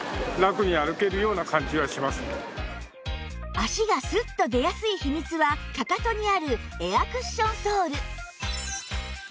足がスッと出やすい秘密はかかとにあるエアクッションソール